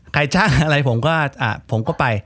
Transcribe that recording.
ใครจ้างอะไรผมก็ผมก็ไป